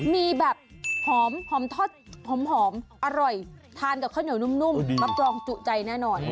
มีแบบหอมทอดหอมอร่อยทานกับข้าวเหนียวนุ่มรับรองจุใจแน่นอน